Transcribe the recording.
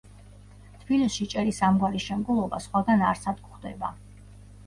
თბილისში ჭერის ამგვარი შემკულობა სხვაგან არსად გვხვდება.